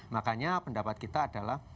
makanya pendapat kita adalah